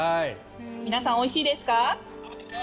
皆さん、おいしいですか？